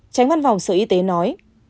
tránh văn vòng sở y tế nói